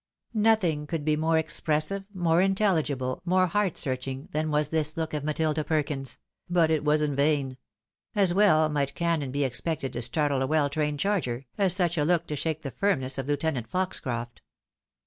Nothing could be more expressive, more intelligible, more heart searching than was this look of Matilda Perkins — ^but it was in vain. As well might cannon be expected to startle a well trained charger, as suck a look to shake the firmness of Lieutenant Foxoroft.